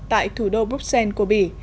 tại thủ đô bruxelles của bỉ